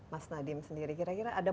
mas nadiem sendiri kira kira ada